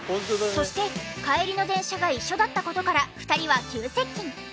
そして帰りの電車が一緒だった事から２人は急接近！